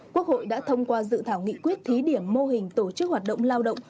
quốc hội đã thông qua dự thảo nghị quyết thí điểm mô hình tổ chức hoạt động lao động